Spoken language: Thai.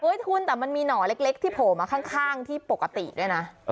คุณแต่มันมีหน่อเล็กที่โผล่มาข้างที่ปกติด้วยนะ